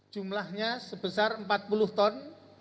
jumlahnya sebesar empat puluh ton